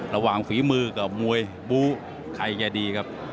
ระหว่างฝีมือกับมวยบู้ใครแก่ดีครับ